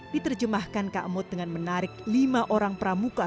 diterjemahkan kak mut dengan menarik lima orang pramuka